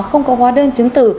không có hóa đơn chứng tử